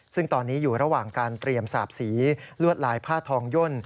ซึ่งตอนนี้อยู่ระหว่างการเตรียมสาบสีลวดลายผ้าทองย่น